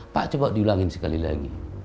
pak coba diulangin sekali lagi